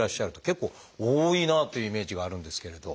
結構多いなあというイメージがあるんですけれど。